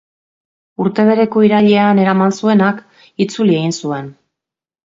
Urte bereko irailean eraman zuenak itzuli egin zuen.